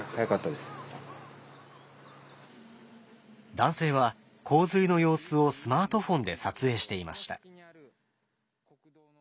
男性は洪水の様子をスマートフォンで撮影していました。